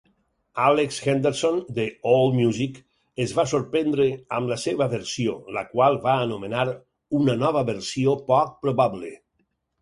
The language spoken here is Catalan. Alex Henderson, de AllMusic, es va sorprendre amb la seva versió, la qual va anomenar "una nova versió poc probable".